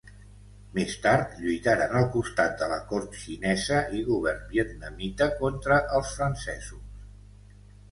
Més tard, lluitaren al costat de la cort xinesa i govern vietnamita contra els francesos.